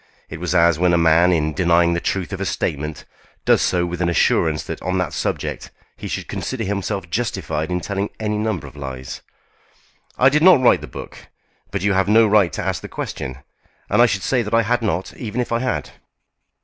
It was as when a man, in denying the truth of a statement, does so with an assurance that on that subject he should consider himself justified in telling any number of lies. "I did not write the book, but you have no right to ask the question; and I should say that I had not, even if I had."